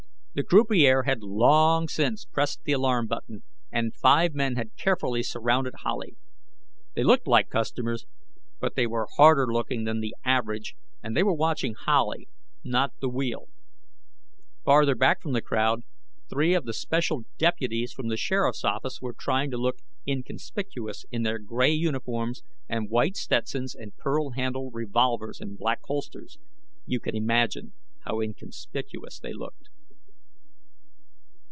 The croupier had long since pressed the alarm button, and five men had carefully surrounded Howley. They looked like customers, but they were harder looking than the average, and they were watching Howley, not the wheel. Farther back from the crowd, three of the special deputies from the sheriff's office were trying to look inconspicuous in their gray uniforms and white Stetsons and pearl handled revolvers in black holsters. You can imagine how inconspicuous they looked.